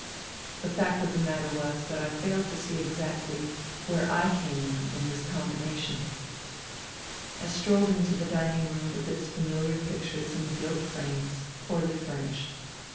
The fact of the matter was that I failed to see exactly where / came in in this combination. I strolled into the dining room with its familiar pictures in gilt frames, poorly furnished.